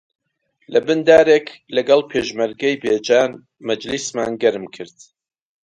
لەبن دارێک لەگەڵ پێشمەرگەی بێجان مەجلیسمان گەرم کرد